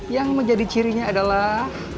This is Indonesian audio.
yang menjadi cirinya adalah